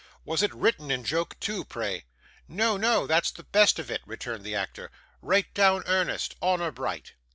Was it written in joke, too, pray?' 'No, no, that's the best of it,' returned the actor; 'right down earnest honour bright.